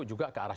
juga ke arah